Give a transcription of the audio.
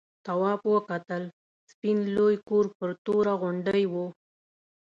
تواب وکتل سپین لوی کور پر توره غونډۍ و.